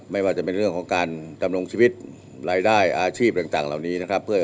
ไม่ว่าจะเป็นเรื่องของการดำรงชีวิตรายได้อาชีพต่างเหล่านี้นะครับ